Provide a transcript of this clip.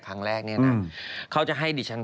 พิบนาเดียว